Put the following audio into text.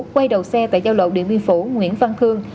quay đầu xe tại giao lộ điện biên phủ nguyễn văn khương